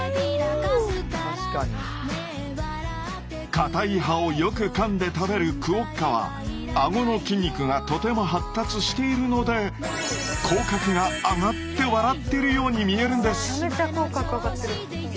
かたい葉をよくかんで食べるクオッカはアゴの筋肉がとても発達しているので口角が上がって笑ってるように見えるんです。